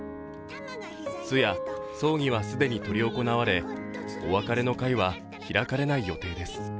通夜・葬儀は既に執り行われ、お別れの会は開かれない予定です。